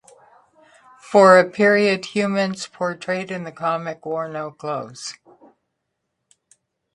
For a period, humans portrayed in the comic wore no clothes.